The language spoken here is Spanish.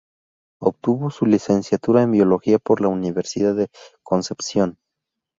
Obtuvo su licenciatura en biología por la Universidad de Concepción.